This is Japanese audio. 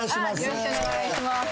よろしくお願いします。